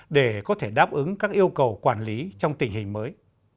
để có thể đáp ứng các yêu cầu quản lý trong tình hình mới